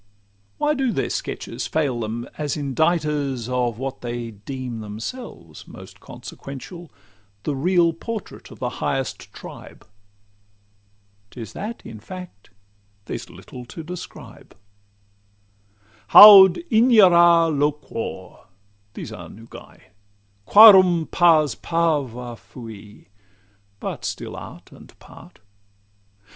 Why do their sketches fail them as inditers Of what they deem themselves most consequential, The real portrait of the highest tribe? 'Tis that, in fact, there's little to describe. 'Haud ignara loquor;' these are Nugae, 'quarum Pars parva fui,' but still art and part.